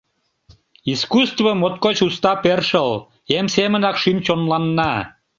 Искусство — моткоч уста першыл, эм семынак шӱм-чонланна.